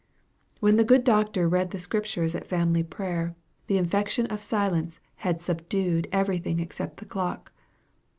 When the good doctor read the Scriptures at family prayer, the infection of silence had subdued everything except the clock.